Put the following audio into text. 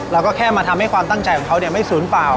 เราก็แค่มาทำให้ความตั้งใจของเขาไม่สูญเปล่า